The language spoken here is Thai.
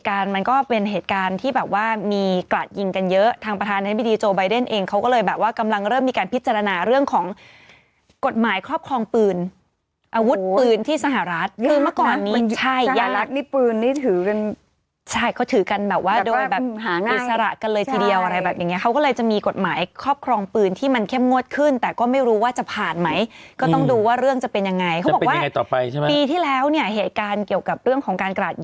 อาวุธปืนที่สหรัฐคือเมื่อก่อนนี้ใช่สหรัฐนี่ปืนนี่ถือกันใช่เขาถือกันแบบว่าโดยแบบหาง่ายอิสระกันเลยทีเดียวอะไรแบบอย่างเงี้ยเขาก็เลยจะมีกฎหมายครอบครองปืนที่มันแค่งวดขึ้นแต่ก็ไม่รู้ว่าจะผ่านไหมก็ต้องดูว่าเรื่องจะเป็นยังไงจะเป็นยังไงต่อไปใช่ไหมปีที่แล้วเนี่ยเหตุการณ์เกี่ยวกับเรื่องของการ